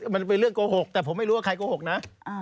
มันเป็นเรื่องโกหกแต่ผมไม่รู้ว่าใครโกหกนะ